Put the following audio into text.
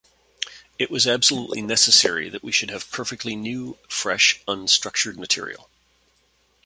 It is absolutely necessary that we should have perfectly new, fresh, unstructured material.